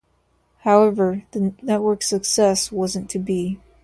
However, the network's success wasn't to be.